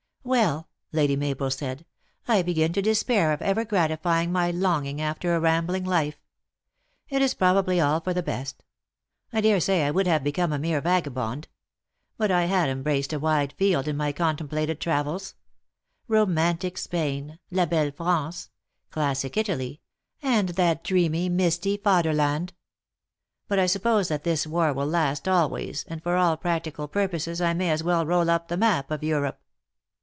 " Well," Lady Mabel said, " I begin to despair of ever gratifying my longing after a rambling life. It is probably all for the best. 1 dare say I would have become a mere vagabond. But I had embraced a wide field in my contemplated travels : romantic Spain, la belle France, classic Italy, and that dreamy, misty Faderland. But I suppose that this war will last always, and for all practical purposes I may as well roll up the map of Europe."